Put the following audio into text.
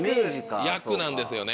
役なんですよね。